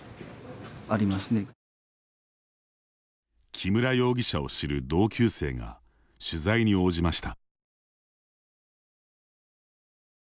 木村容疑者を知る同級生が取材に応じました。